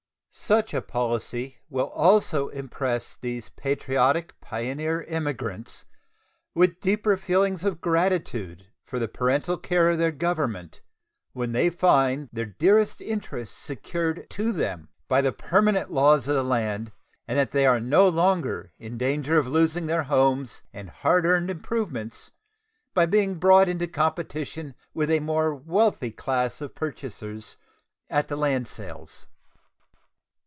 Such a policy will also impress these patriotic pioneer emigrants with deeper feelings of gratitude for the parental care of their Government, when they find their dearest interests secured to them by the permanent laws of the land and that they are no longer in danger of losing their homes and hard earned improvements by being brought into competition with a more wealthy class of purchasers at the land sales.